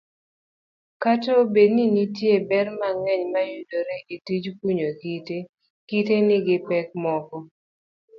Kata obedo ninitie ber mang'eny mayudore etijkunyo kite, kite nigi pek moko.